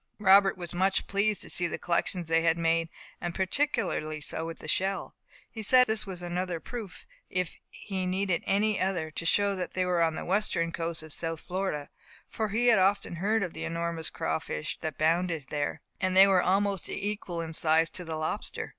Robert was much pleased to see the collections they had made, and particularly so with the shell. He said that this was another proof, if he needed any other, to show that they were on the western coast of South Florida, for he had often heard of the enormous crawfish that abounded there, and that were almost equal in size to the lobster.